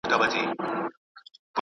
o خداى خبر دئ، چي تره کافر دئ.